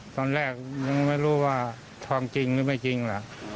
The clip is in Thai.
ตอนแรกยังไม่รู้ว่าทองจริงหรือไม่จริงล่ะ